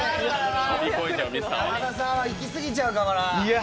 山田さんは行きすぎちゃうからな。